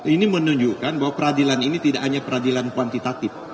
ini menunjukkan bahwa peradilan ini tidak hanya peradilan kuantitatif